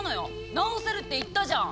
直せるって言ったじゃん！